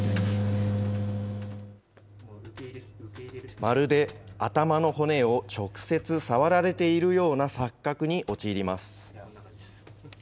まるで頭の骨を直接触られているような錯覚に陥ります。